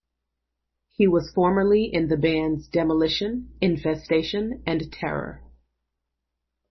He was formerly in the bands Demolition, Infestation and Terror.